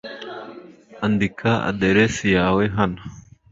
Andika aderesi yawe hano .